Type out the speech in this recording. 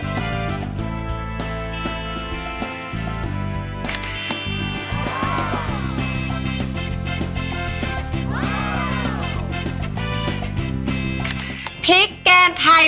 ๑ช้อนครับ